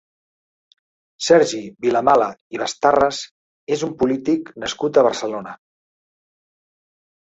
Sergi Vilamala i Bastarras és un polític nascut a Barcelona.